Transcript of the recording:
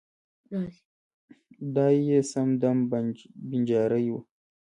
دای یې سم دم بنجارۍ و.